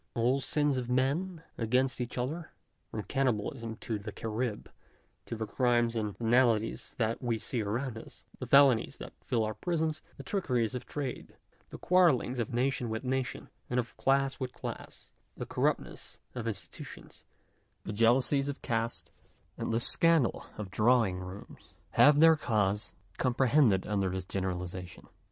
All sins of men against each other, from the cannibalism of the Carrib to the crimes and venalities that we see around us ; the felonies that fill our prisons, the trickeries of trade, the quarrelings of nation with nation, and of class with class, the corruptness of institutions, the jealousies of caste, and the scandal of drawing rooms, have their causes comprehended under this generaliza tion.